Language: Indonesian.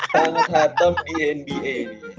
tanah hatam di nba